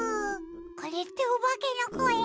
これっておばけのこえ？